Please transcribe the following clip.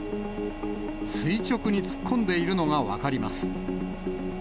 垂直に突っ込んでいるのが分かります。